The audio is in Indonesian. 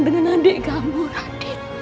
dengan adik kamu radit